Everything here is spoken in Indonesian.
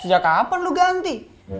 sejak kapan lu ganti